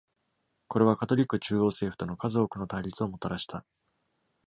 これは、カトリック中央政府との数多くの対立をもたらした。